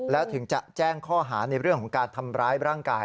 แล้วถึงจะแจ้งข้อหาในเรื่องของการทำร้ายร่างกาย